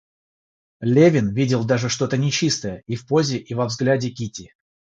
Левин видел даже что-то нечистое и в позе и во взгляде Кити.